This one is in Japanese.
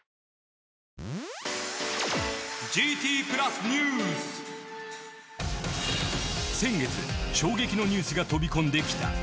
更に先月衝撃のニュースが飛び込んできた。